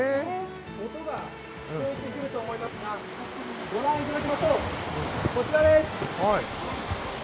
音が聞こえてくると思いますが、ご覧いただきましょう、こちらです。